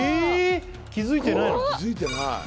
気付いてないの？